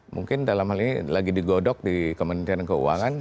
mungkin dalam hal ini lagi digodok di kementerian keuangan